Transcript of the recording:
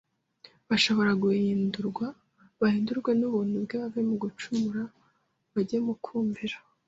bashobore guhindurwa, bahindurwe n’ubuntu bwe bave mu gucumura bajye mu kumvira,